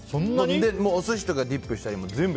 お寿司とかディップしたり全部。